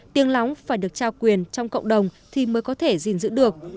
tiếng lóng phải được trao quyền trong cộng đồng thì mới có thể gìn giữ được